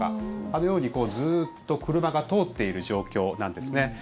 あのようにずっと車が通っている状況なんですね。